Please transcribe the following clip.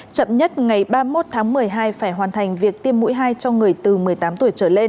chậm nhất ngày ba mươi một tháng một mươi hai phải hoàn thành việc tiêm mũi hai cho người từ một mươi tám tuổi trở lên